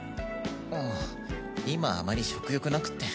うん今あまり食欲なくって。